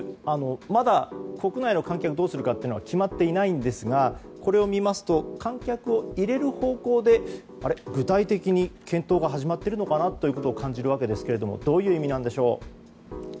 まだ、国内の観客どうするか決まっていないんですがこれを見ますと観客を入れる方向で、具体的に検討が始まっているのかなと感じるわけですがどういう意味なのでしょう。